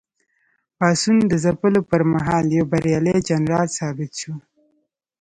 پاڅون د ځپلو پر مهال یو بریالی جنرال ثابت شو.